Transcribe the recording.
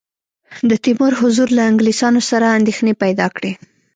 د تیمور حضور له انګلیسیانو سره اندېښنې پیدا کړې.